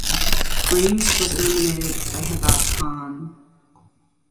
Brenes was eliminated by Hevad Khan.